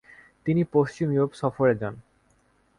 তিনি পশ্চিম ইউরোপ সফরে যান।